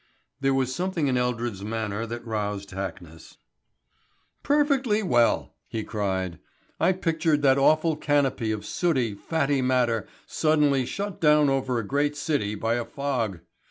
There was something in Eldred's manner that roused Hackness. "Perfectly well," he cried. "I pictured that awful canopy of sooty, fatty matter suddenly shut down over a great city by a fog.